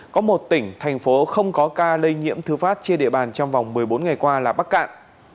có một tỉnh thành phố không có ca lây nhiễm thư phát trên địa bàn trong vòng một mươi bốn ngày qua là bắc cạn